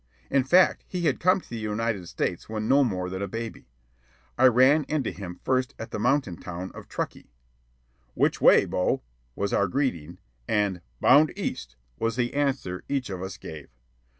In fact, he had come to the United States when no more than a baby. I ran into him first at the mountain town of Truckee. "Which way, Bo?" was our greeting, and "Bound east" was the answer each of us gave.